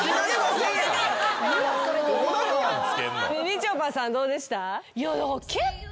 みちょぱさんどうでした？